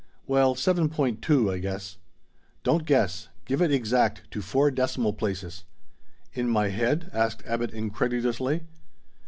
"Well, seven point two, I guess." "Don't guess. Give it exact, to four decimal places." "In my head?" asked Abbot incredulously.